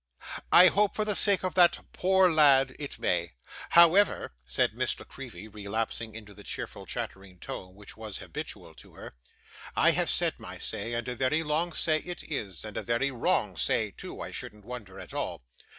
I hope, for the sake of that poor lad, it may. However,' said Miss La Creevy, relapsing into the cheerful, chattering tone, which was habitual to her, 'I have said my say, and a very long say it is, and a very wrong say too, I shouldn't wonder at all.